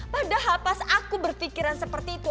padahal pas aku berpikiran seperti itu